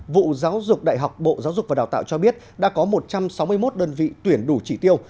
vụ giáo dục đại học bộ giáo dục và đào tạo cho biết đã có một trăm sáu mươi một đơn vị tuyển đủ trị tiêu